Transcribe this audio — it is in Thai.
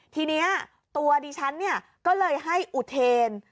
ทีนี้ตัวดิฉันก็เลยให้อุเทน